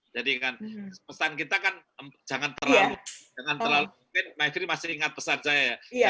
kan pesan kita kan jangan terlalu mungkin maghri masih ingat pesan saya ya